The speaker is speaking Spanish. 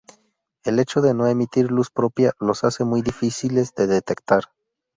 El hecho de no emitir luz propia los hace muy difíciles de detectar.